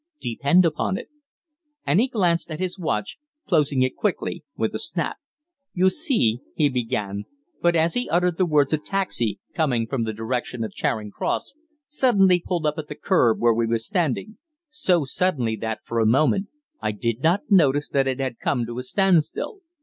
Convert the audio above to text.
Depend upon it." And he glanced at his watch, closing it quickly with a snap. "You see " he began, but as he uttered the words a taxi, coming from the direction of Charing Cross, suddenly pulled up at the kerb where we were standing so suddenly that, for a moment, I did not notice that it had come to a standstill.